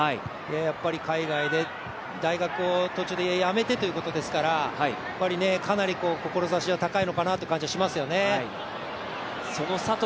やっぱり海外で大学を途中でやめてということですからかなり、志は高いのかなという感じがしますよね。